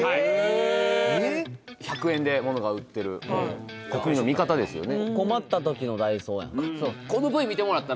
え１００円で物が売ってる国民の味方ですよね